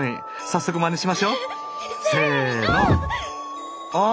早速まねしましょ。せの！わ！